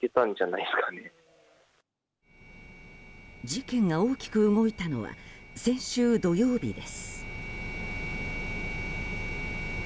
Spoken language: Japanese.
事件が大きく動いたのは先週土曜日です。